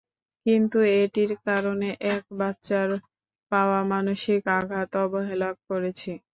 কিন্তু এটির কারণে এক বাচ্চার পাওয়া মানসিক আঘাত অবহেলা করেছি।